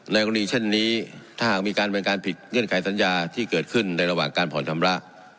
กรณีเช่นนี้ถ้าหากมีการเป็นการผิดเงื่อนไขสัญญาที่เกิดขึ้นในระหว่างการผ่อนชำระ